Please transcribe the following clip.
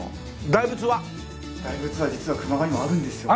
大仏は実は熊谷にもあるんですよ。